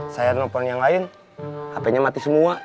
saya nelfon yang lain hpnya mati semua